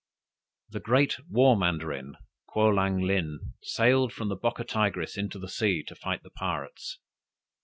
The Great War Mandarin, Kwolang lin sailed from the Bocca Tigris into the sea to fight the pirates.